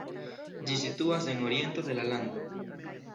Ĝi situas en oriento de la lando.